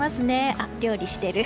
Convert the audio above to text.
あ、料理してる。